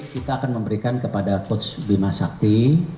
kita akan memberikan kepada coach bimasakti